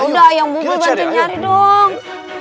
ya udah ayang bulbul bantu nyari dong